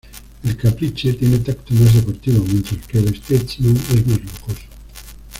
El Caprice tiene tacto más deportivo, mientras que el Statesman es más lujoso.